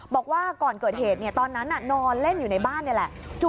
บอกว่าก่อนเกิดเหตุตอนนั้นนอนเล่นอยู่ในบ้านนี่แหละ